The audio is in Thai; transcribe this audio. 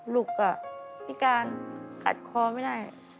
ลูกน่ะพี่การขัดคล้อไม่ได้